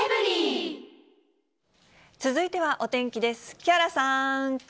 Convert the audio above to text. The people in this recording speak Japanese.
続いてはお天気です。